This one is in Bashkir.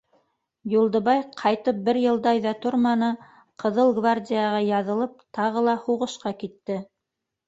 Юлдыбай ҡайтып бер йылдай ҙа торманы, Ҡыҙыл гвардияға яҙылып, тағы ла һуғышҡа китте.